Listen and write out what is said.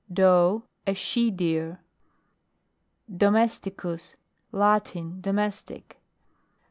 DOE. A she deer. DOMESTICUS. Latin. Domestic.